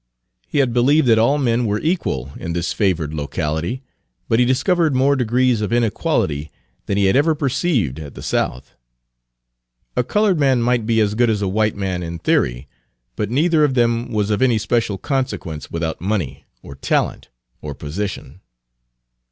He had believed that all men were equal in this favored locality, but he discovered more degrees of inequality than he had ever perceived at the South. A colored man might be as good as a white Page 251 man in theory, but neither of them was of any special consequence without money, or talent, or position.